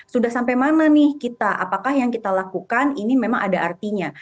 sudah sampai mana nih kita apakah yang kita lakukan ini memang ada artinya